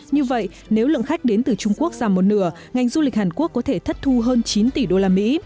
như vậy nếu lượng khách đến từ trung quốc giảm một nửa ngành du lịch hàn quốc có thể thất thu hơn chín tỷ đô la mỹ